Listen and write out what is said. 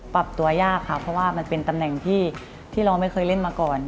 ปรับตัวยากค่ะเพราะว่ามันเป็นตำแหน่งที่เราไม่เคยเล่นมาก่อน